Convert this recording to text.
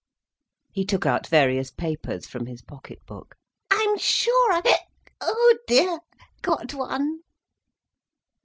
He took out various papers from his pocket book. "I'm sure I've—hic! Oh dear!—got one."